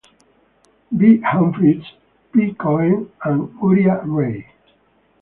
B. Humphreys, P. Cohen, and Uriah Ray.